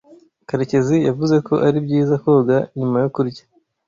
Karekezi yavuze ko ari byiza koga nyuma yo kurya.